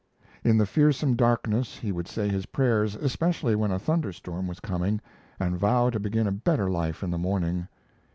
In the fearsome darkness he would say his prayers, especially when a thunderstorm was coming, and vow to begin a better life in the morning.